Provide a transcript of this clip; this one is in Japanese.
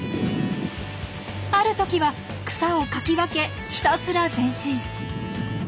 ある時は草をかき分けひたすら前進。